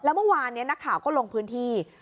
แล้วเมื่อวานนี้นักข่าวก็ลงพื้นที่